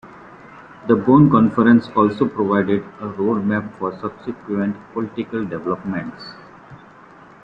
The Bonn Conference also provided a roadmap for subsequent political developments.